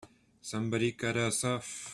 Somebody cut us off!